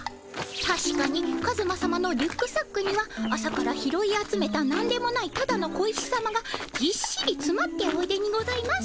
たしかにカズマさまのリュックサックには朝から拾い集めたなんでもないただの小石さまがぎっしりつまっておいでにございます。